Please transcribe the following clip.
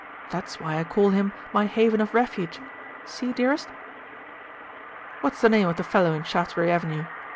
That's why I call him my haven of refuge. See, dearest?" "What's the name of the fellow in Shaftesbury Avenue?"